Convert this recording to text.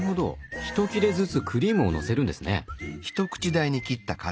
ひと切れずつクリームをのせるんですね。